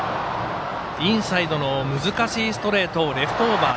インサイドの難しい球をレフトオーバー。